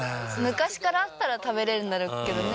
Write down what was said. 昔からあったら食べれるんだろうけどね。